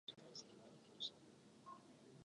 う ｍ ぬ ｊｎ